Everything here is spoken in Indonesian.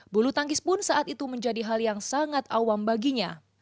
bulu tangkis pun saat itu menjadi hal yang sangat awam baginya